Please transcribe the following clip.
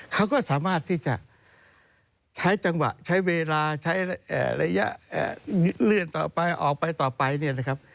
เขาก็สามารถที่จะใช้จังหวะใช้เวลาใช้ระยะเลื่อนต่อไปออกไปต่อไปเนี่ยนะครับ